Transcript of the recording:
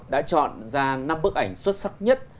đã chọn ra năm bức ảnh xuất sắc nhất